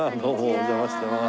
お邪魔してます。